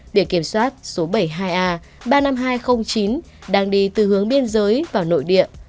biển kiểm soát số bảy mươi hai a ba mươi năm nghìn hai trăm linh chín đang đi từ hướng biên giới vào nội địa